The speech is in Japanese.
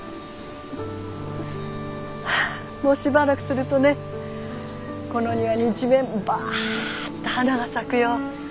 もうしばらくするとねこの庭に一面バッと花が咲くよ。